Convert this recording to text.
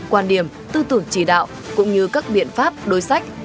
quan điểm tư tưởng chỉ đạo cũng như các biện pháp đối sách